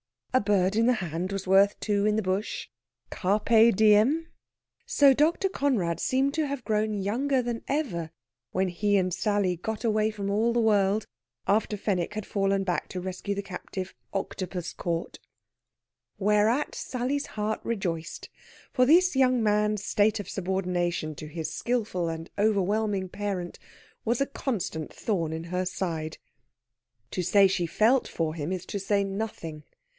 A bird in the hand was worth two in the bush. Carpe diem! So Dr. Conrad seemed to have grown younger than ever when he and Sally got away from all the world, after Fenwick had fallen back to rescue the captive, octopus caught. Whereat Sally's heart rejoiced; for this young man's state of subordination to his skilful and overwhelming parent was a constant thorn in her side. To say she felt for him is to say nothing.